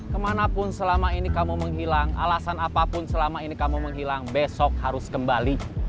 kemanapun selama ini kamu menghilang alasan apapun selama ini kamu menghilang besok harus kembali